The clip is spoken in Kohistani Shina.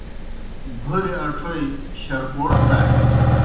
بھوریْ اڇوئی شرکوٹ دانیْ۔